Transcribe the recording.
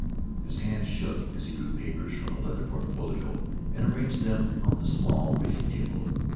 His hand shook as he drew papers from a leather portfolio and arranged them on the small reading table.